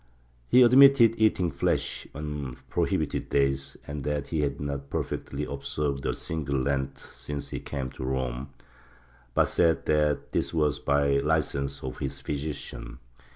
He admitted eating flesh on prohibited days, and that he had not perfectly observed a single Lent since he came to Rome, but said that this was by licence of his physician.